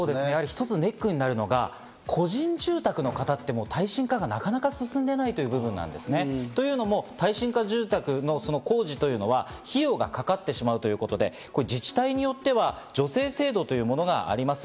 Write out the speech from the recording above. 一つネックになるのが個人住宅の方、耐震化がなかなか進んでいないということなんですね。というのも耐震化住宅の工事というのは費用がかかってしまうということで、自治体によっては助成制度というものがあります。